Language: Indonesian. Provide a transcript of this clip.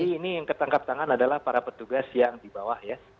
jadi ini yang ketangkap tangan adalah para petugas yang di bawah ya